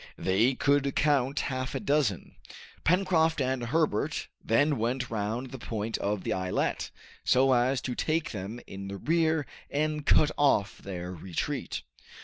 They could count half a dozen. Pencroft and Herbert then went round the point of the islet, so as to take them in the rear, and cut off their retreat.